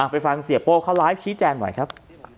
ไปฟังเสียโป้เขาไลฟ์ชี้แจงหน่อยครับ